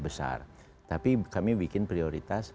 besar tapi kami bikin prioritas